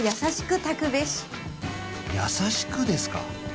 優しくですか？